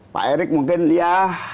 pak erick mungkin ya